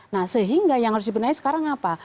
nah sehingga yang harus dibenahi sekarang apa